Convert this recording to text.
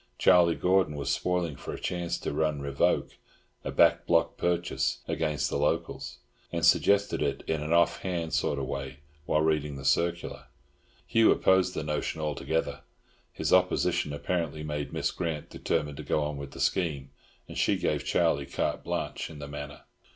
Charlie Gordon was spoiling for a chance to run Revoke, a back block purchase, against the locals, and suggested it in an off hand sort of way while reading the circular. Hugh opposed the notion altogether. His opposition apparently made Miss Grant determined to go on with the scheme, and she gave Charlie carte blanche in the matter.